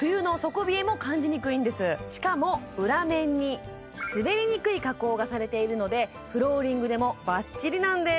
しかも裏面に滑りにくい加工がされているのでフローリングでもバッチリなんです